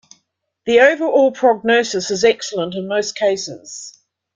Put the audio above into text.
The overall prognosis is excellent in most cases.